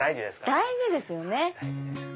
大事ですよね。